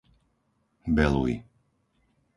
Beluj